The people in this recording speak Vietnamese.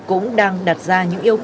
cũng đang đặt ra